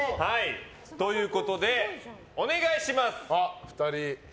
ということで、お願いします！